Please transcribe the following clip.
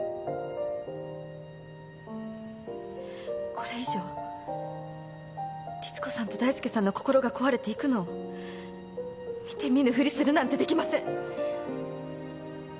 これ以上リツコさんと大介さんの心が壊れていくのを見て見ぬふりするなんてできません。